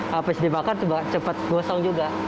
habis dibakar cepat gosong juga